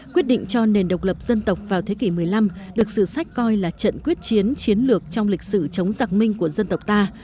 quyết định cho nền độc lập dân tộc vào thế kỷ một mươi năm được sử sách coi là trận quyết chiến chiến lược trong lịch sử chống giặc minh của dân tộc ta